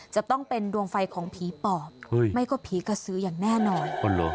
จะต้องเป็นดวงไฟของผีปอบไม่ก็ผีกระสืออย่างแน่นอน